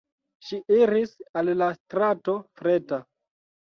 Ŝi iris al la strato Freta.